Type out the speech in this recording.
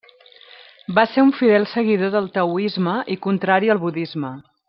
Va ser un fidel seguidor del taoisme i contrari al budisme.